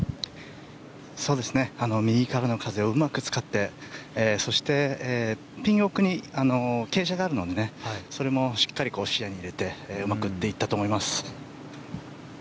右からの風をうまく使ってそして、ピン奥に傾斜があるのでそれもしっかり視野に入れてうまく打っていったと思います。